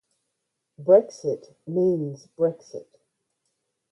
Brexit means Brexit.